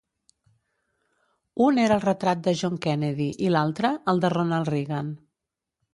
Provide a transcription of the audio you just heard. Un era el retrat de John Kennedy i l'altre, el de Ronald Reagan.